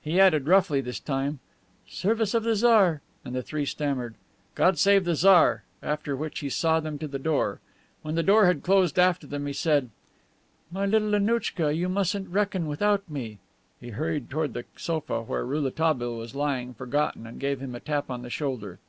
He added, roughly this time, "Service of the Tsar," and the three stammered, "God save the Tsar!" After which he saw them to the door. When the door had closed after them, he said, "My little Annouchka, you mustn't reckon without me." He hurried toward the sofa, where Rouletabille was lying forgotten, and gave him a tap on the shoulder.